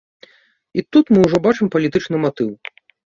І тут мы ўжо бачым палітычны матыў.